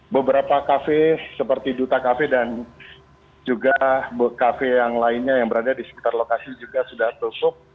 beberapa kafe seperti duta kafe dan juga kafe yang lainnya yang berada di sekitar lokasi juga sudah tutup